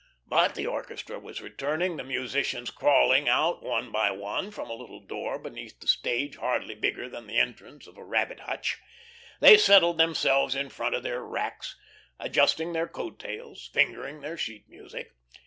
But the orchestra was returning, the musicians crawling out one by one from a little door beneath the stage hardly bigger than the entrance of a rabbit hutch. They settled themselves in front of their racks, adjusting their coat tails, fingering their sheet music.